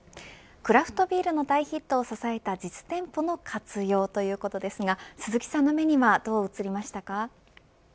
クラフトビールの大ヒットを支えた実店舗の活用ということですが鈴木さんの目にはどう映りましたか。